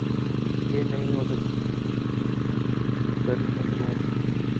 یہ نہیں ہو سکتا کہ ملک کو دستور سےرکھ کر محروم